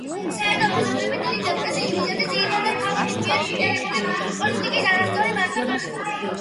საერთო მოსაზრებით დიდი დეპრესიის მიზეზი ძირითადად მთავრობის მიერ მონეტარული პოლიტიკის არასწორი მართვა გახდა.